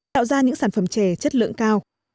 tạo ra những sản phẩm trè chất lượng cao